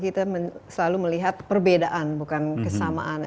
kita selalu melihat perbedaan bukan kesamaan